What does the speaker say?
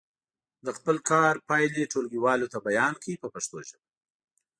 د خپل کار پایلې ټولګیوالو ته بیان کړئ په پښتو ژبه.